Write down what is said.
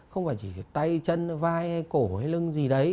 không phải chỉ tay chân vai hay cổ hay lưng gì đấy